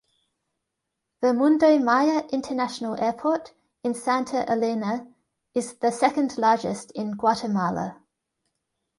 The Mundo Maya International Airport, in Santa Elena, is the second largest in Guatemala.